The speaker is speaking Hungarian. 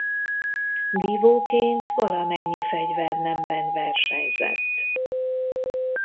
Vívóként valamennyi fegyvernemben versenyzett.